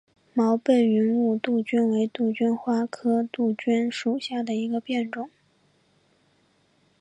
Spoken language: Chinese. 毛背云雾杜鹃为杜鹃花科杜鹃属下的一个变种。